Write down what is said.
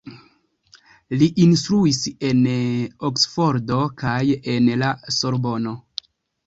Li instruis en Oksfordo kaj en la Sorbono.